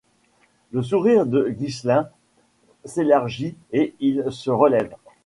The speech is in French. Le sourire de Ghislain s'élargit et il se relève.